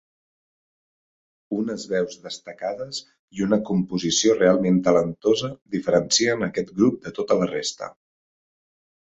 Unes veus destacades i una composició realment talentosa diferencien aquest grup de tota la resta.